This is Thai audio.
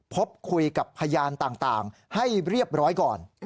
พบคุยกับพยานต่างให้เรียบร้อยก่อน